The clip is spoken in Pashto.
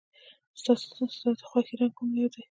ستا د خوښې رنګ کوم دی؟